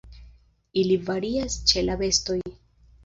Ili varias ĉe la bestoj.